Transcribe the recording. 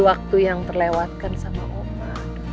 waktu yang terlewatkan sama oma